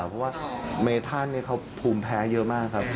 เพราะว่าเมธันเขาภูมิแพ้เยอะมากครับ